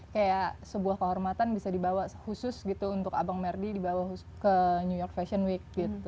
kayak sebuah kehormatan bisa dibawa khusus gitu untuk abang merdi dibawa ke new york fashion week gitu